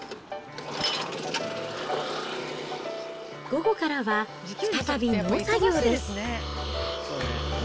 午後からは、再び農作業です。